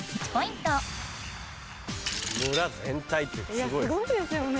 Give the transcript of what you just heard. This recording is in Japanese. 村全体ってすごいよね。